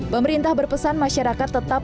pemerintah berpesan masyarakat tetap